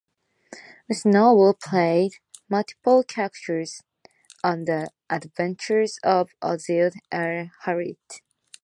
Wisnlowe played multiple characters on "The Adventures of Ozzie and Harriet".